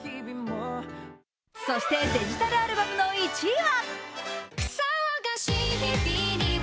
そして、デジタルアルバムの１位は？